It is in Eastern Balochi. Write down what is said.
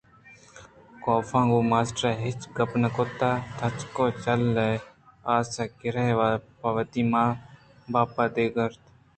کاف ءَگوں ماسٹرءَ ہچ گپ نہ کُتءُ تچکءَ چُلءِ آسءِ کِرّا پہ وتی باپ دیگ ءَ شت